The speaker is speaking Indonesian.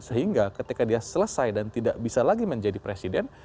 sehingga ketika dia selesai dan tidak bisa lagi menjadi presiden